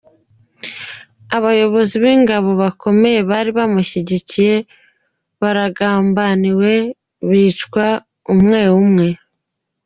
Abayobozi b’ingabo bakomeye bari bamushyigikiye baragambaniwe bicwa umwe umwe.